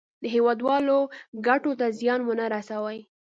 د هېوادوالو ګټو ته زیان ونه رسوي.